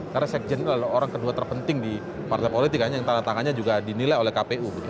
karena sekjen orang kedua terpenting di partai politikanya yang tanda tangannya juga dinilai oleh kpu